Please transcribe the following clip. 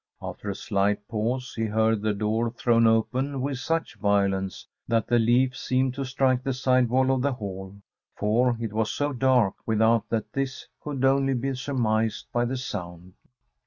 After a slight pause, he heard the door thrown open with such violence that the leaf seemed to strike the side wall of the hall, for it was so dark without that this could only be surmised by the sound.